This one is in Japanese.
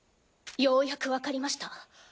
ようやくわかりました。